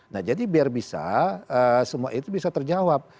nah jadi biar bisa semua itu bisa terjawab